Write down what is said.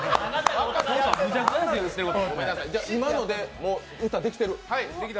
今ので、もう歌できてる？